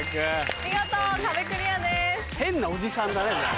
見事壁クリアです。